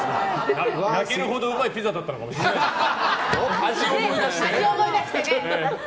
泣けるほどうまいピザだったのかもしれないですよ。